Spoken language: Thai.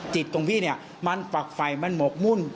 จิตของพี่เนี่ยมันฝักไฟมันหมกมุ่น